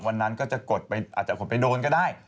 วันนั้นก็จะกดไปอาจจะกดไปโดนก็ได้